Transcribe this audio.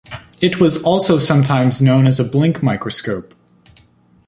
It was also sometimes known as a blink microscope.